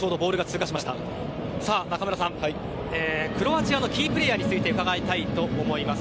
中村さん、クロアチアのキープレーヤーについて伺いたいと思います。